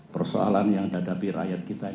persoalan yang menghadapi rakyat kita